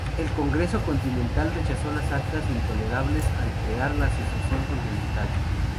El Congreso Continental rechazó a las Actas Intolerables al crear la Asociación Continental.